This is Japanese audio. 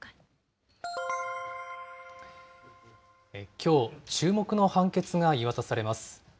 きょう、注目の判決が言い渡されます。